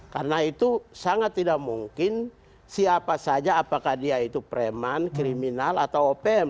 karena itu sangat tidak mungkin siapa saja apakah dia itu preman kriminal atau opm